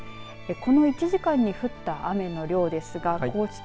この１時間に降った雨の量ですが高知県